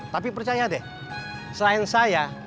tapi percaya deh selain saya